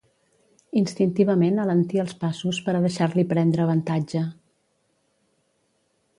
Instintivament alentí els passos per a deixar-li prendre avantatge.